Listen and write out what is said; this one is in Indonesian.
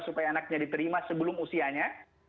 supaya anaknya diterima sebelum usianya